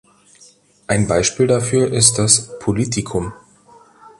Ein Beispiel dafür ist das "Politikum".